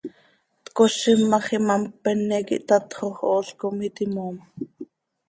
Tcozim ma x, imám cpene quih tatxo x, ool com iti moom.